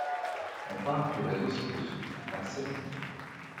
On part du réseau ci-dessous, à sept nœuds.